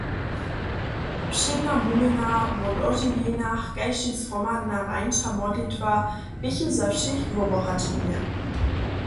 Wšědna wuměna wo dožiwjenjach kaž tež zhromadna rańša modlitwa běchu za wšěch wobohaćenje.